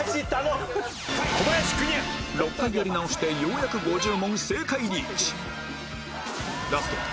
６回やり直してようやく５０問正解リーチ！